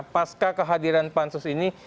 pasca kehadiran pansus ini